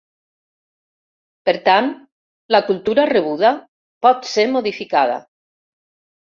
Per tant, la cultura rebuda pot ser modificada.